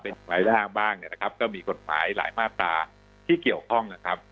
เป็นรายร่างบ้างเนี่ยนะครับก็มีกฎหมายหลายมาตราที่เกี่ยวข้องนะครับ